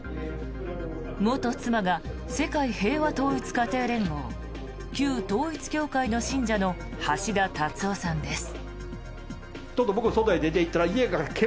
元妻が世界平和統一家庭連合旧統一教会の信者の橋田達夫さんです。